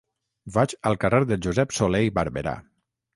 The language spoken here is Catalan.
Vaig al carrer de Josep Solé i Barberà.